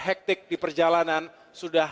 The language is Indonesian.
hektik di perjalanan sudah